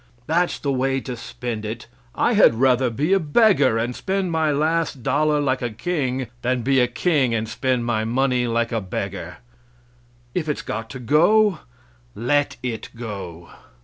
That's the way to spend it! I had rather be a beggar and spend my last dollar like a king, than be a king and spend my money like a beggar. If it's got to go, let it go.